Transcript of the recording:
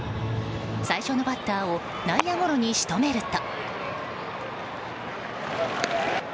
最初のバッターを内野ゴロに仕留めると。